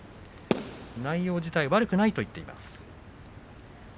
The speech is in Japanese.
内容自体は悪くないと言ってました。